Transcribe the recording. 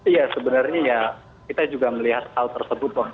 iya sebenarnya ya kita juga melihat hal tersebut bang